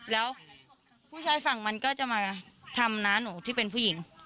แล้วผู้ชายฝั่งมันก็จะมาทำน้าหนูที่เป็นผู้หญิง